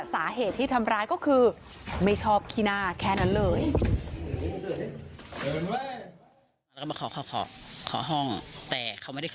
สาเหตุที่ทำร้ายก็คือไม่ชอบขี้หน้าแค่นั้นเลย